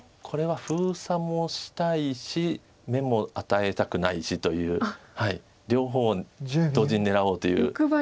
これは封鎖もしたいし眼も与えたくないしという両方同時に狙おうという。